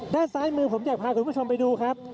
ด้านซ้ายมือผมอยากพาคุณผู้ชมไปดูครับ